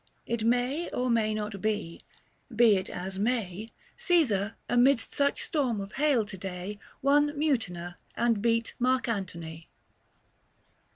It may or may not be ; be it as may, Caesar, amidst such storm of hail to day, Won Mutina, and beat Mark Antony.